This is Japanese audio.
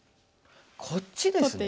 こっちですか。